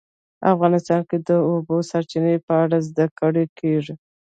افغانستان کې د د اوبو سرچینې په اړه زده کړه کېږي.